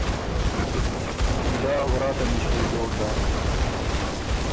ایلا ورا تمِݭکې جوړ داک۔